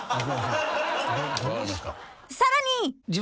［さらに］